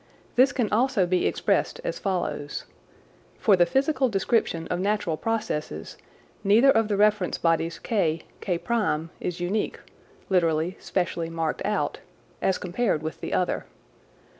This can also be expressed as follows : For the physical description of natural processes, neither of the reference bodies K, K1 is unique (lit. " specially marked out ") as compared with the other.